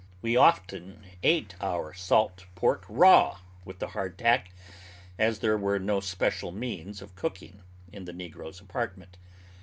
We often ate our salt pork raw with the hard tack, as there were no special means of cooking in the negroes' apartment.